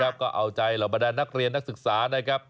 แล้วก็เอาใจเหล่าบรรดานนักเรียนนักศึกษานะครับ